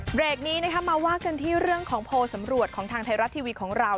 เบรกนี้นะคะมาว่ากันที่เรื่องของโพลสำรวจของทางไทยรัฐทีวีของเรา